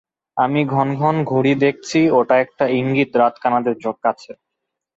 আমি ঘন ঘন ঘড়ি দেখছি, ওটা একটা ইঙ্গিত রাতকানাদের কাছে।